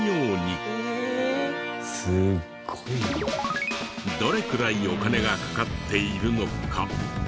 どれくらいお金がかかっているのか？